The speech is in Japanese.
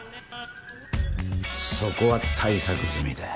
そこは対策済みだよ